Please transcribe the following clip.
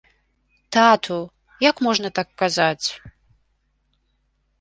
Тату, як можна так казаць.